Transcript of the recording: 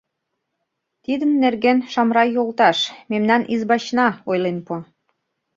Тидын нерген Шамрай йолташ, мемнан избачна, ойлен пуа.